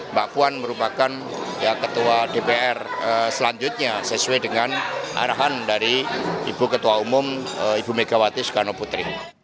mbak puan merupakan ketua dpr selanjutnya sesuai dengan arahan dari ibu ketua umum ibu megawati soekarno putri